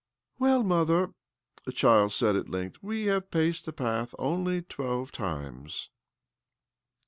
?! "Well, mother," the boy said at length, г " we have paced the path only twelve times."